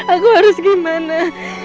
aku harus gimana